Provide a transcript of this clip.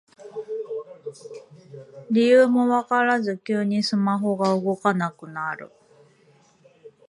理由もわからず急にスマホが動かなくなる